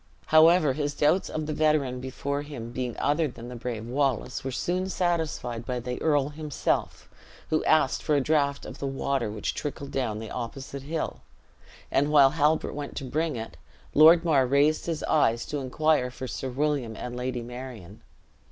However, his doubts of the veteran before him being other than the brave Wallace, were soon satisfied by the earl himself, who asked for a draught of the water which trickled down the opposite hill; and while Halbert went to bring it, Lord Mar raised his eyes to inquire for Sir William and Lady Marion.